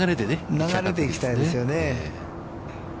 流れで行きたいですよね。